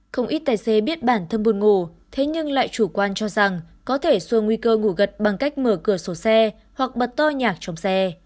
không ít tài xế biết bản thân buồn ngủ thế nhưng lại chủ quan cho rằng có thể xua nguy cơ ngủ gật bằng cách mở cửa sổ xe hoặc bật to nhạc trong xe